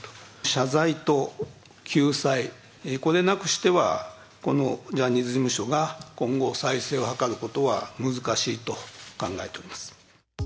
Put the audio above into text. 謝罪と救済、これなくしては、このジャニーズ事務所が今後、再生を図ることは難しいと考えております。